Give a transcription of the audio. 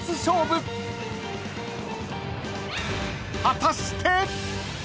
［果たして！？］